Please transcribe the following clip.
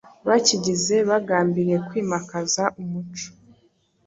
bakigize, bagambiriye kwimakaza umuco